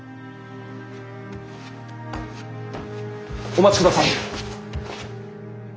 お待ちください。